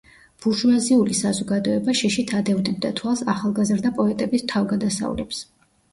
ბურჟუაზიული საზოგადოება შიშით ადევნებდა თვალს ახალგაზრდა პოეტების თავგადასავლებს.